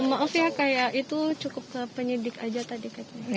maaf ya kayak itu cukup ke penyidik aja tadi